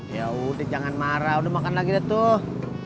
ya udah jangan marah udah makan lagi deh tuh